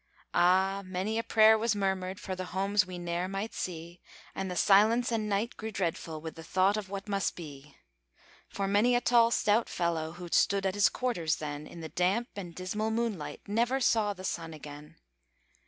Ah! many a prayer was murmured For the homes we ne'er might see; And the silence and night grew dreadful With the thought of what must be. For many a tall, stout fellow Who stood at his quarters then, In the damp and dismal moonlight, Never saw the sun again.